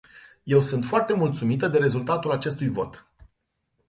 Eu sunt foarte mulțumită de rezultatul acestui vot.